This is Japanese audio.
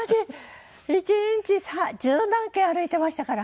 一日十何軒歩いてましたから。